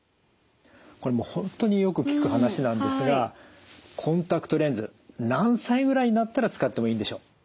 これもう本当によく聞く話なんですがコンタクトレンズ何歳ぐらいになったら使ってもいいんでしょう？